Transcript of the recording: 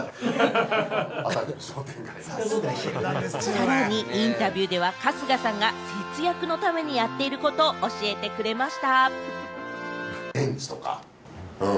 さらにインタビューでは、春日さんが節約のためにやっていることを教えてくれました。